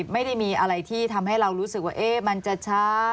ไม่ได้มีอะไรที่ทำให้เรารู้สึกว่ามันจะช้า